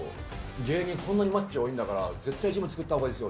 芸人にこんなにマッチョ多いんだから、絶対ジム作ったほうがいいですよ